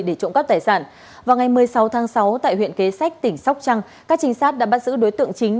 để trộm cắp tài sản vào ngày một mươi sáu tháng sáu tại huyện kế sách tỉnh sóc trăng các trinh sát đã bắt giữ đối tượng chính